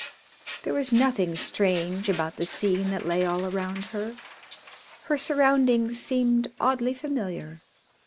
There was nothing strange about the scene that lay all around her. Her surroundings seemed oddly familiar.